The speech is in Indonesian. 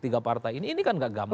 tiga partai ini ini kan gak gampang